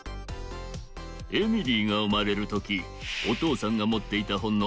エミリーがうまれるときおとうさんがもっていたほんの